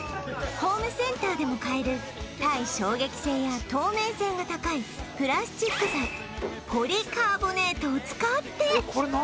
ホームセンターでも買える耐衝撃性や透明性が高いプラスチック材ポリカーボネートを使って